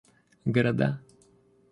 города